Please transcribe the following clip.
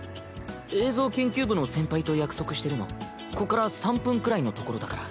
映像研究部の先輩と約束してるのこっから３分くらいの所だから。